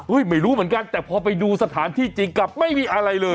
ไม่รู้เหมือนกันแต่พอไปดูสถานที่จริงกลับไม่มีอะไรเลย